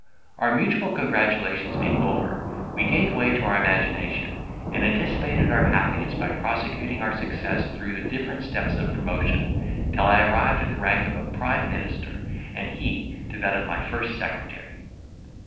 Our mutual congratulations being over, we gave way to our imagination, and anticipated our happiness by prosecuting our success through the different steps of promotion, till I arrived at the rank of a prime minister, and he to that of my first secretary.